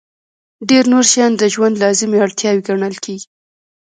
ډېر نور شیان د ژوند لازمي اړتیاوې ګڼل کېږي.